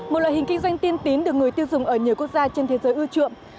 một loại hình kinh doanh tiên tín được người tiêu dùng ở nhiều quốc gia trên thế giới ưu trượm